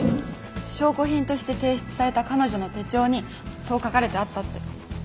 証拠品として提出された彼女の手帳にそう書かれてあったって。